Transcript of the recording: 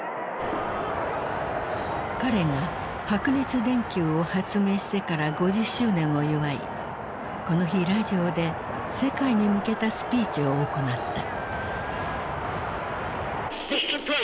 彼が白熱電球を発明してから５０周年を祝いこの日ラジオで世界に向けたスピーチを行った。